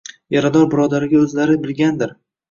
Yarador birodariga o’zlari bilgandir.